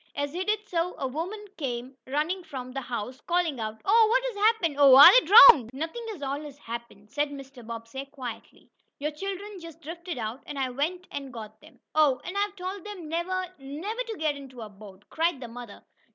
As he did so a woman came running from the house, calling out: "Oh, what has happened? Oh, are they drowned?" "Nothing at all has happened," said Mr. Bobbsey, quietly. "Your children just drifted out, and I went and got them." "Oh, and I've told them never, never to get into a boat!" cried the mother.